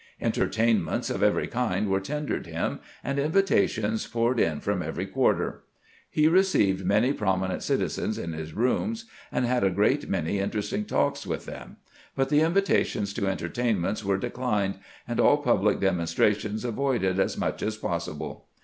Entertainments of every kind were tendered him, and invitations poured in from every quarter. He received many prominent citizens in his rooms, and had a great many interesting talks with them ; but the invitations to entertainments were declined, and all public demonstrations avoided as much as possible.